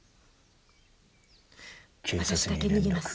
私だけ逃げます。